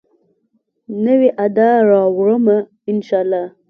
نوي ادا راوړمه، ان شاالله